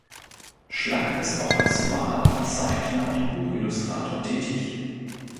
Schlack ist auch als Maler, Zeichner und Buchillustrator tätig.